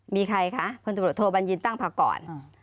มีใครคะพศโตรโบราณยินตั้งพากร